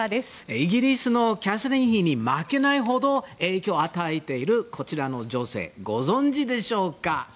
イギリスのキャサリン妃に負けないほど影響を与えているこちらの女性をご存じでしょうか。